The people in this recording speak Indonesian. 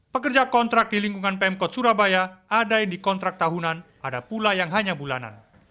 pekerja kontrak di lingkungan pemkot surabaya ada yang dikontrak tahunan ada pula yang hanya bulanan